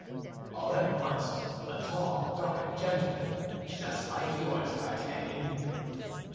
"All at once, a tall, dark gentleman—just like yours, D'Artagnan."